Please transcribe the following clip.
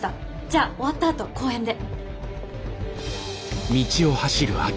じゃあ終わったあと公園で。